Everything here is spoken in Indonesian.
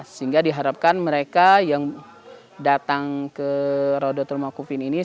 sehingga diharapkan mereka yang datang ke roda turmacovin ini